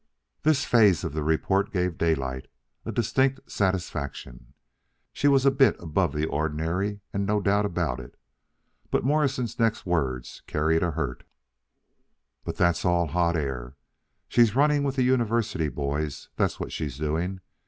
This phase of the report gave Daylight a distinct satisfaction. She was a bit above the ordinary, and no doubt about it. But Morrison's next words carried a hurt. "But that's all hot air. She's running with the University boys, that's what she's doing.